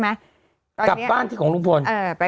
ไปบ้านลุงพล